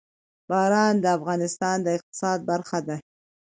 باران د افغانستان د اقتصاد برخه ده.